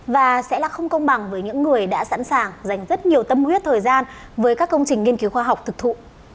và sẽ là không công bằng với những người đã sẵn sàng dành rất nhiều tâm huyết thời gian với các công trình nghiên cứu khoa học thực thụ